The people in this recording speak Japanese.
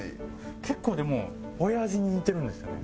結構でもおやじに似てるんですよね。